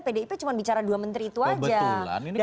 pdip cuma bicara dua menteri itu aja